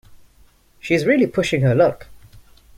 She's really pushing her luck!